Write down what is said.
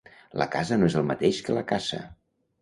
La casa no és el mateix que la caça